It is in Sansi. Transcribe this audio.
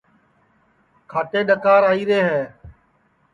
کھاٹے ڈؔکار آئیرے ہے